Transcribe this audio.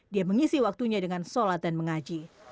dia mengisi waktunya dengan sholat dan mengaji